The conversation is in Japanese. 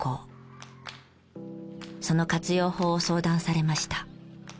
その活用法を相談されました。